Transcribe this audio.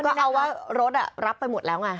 ก็เอาว่ารถรับไปหมดแล้วไง